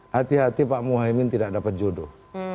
hati hati pak muhaymin tidak dapat jodoh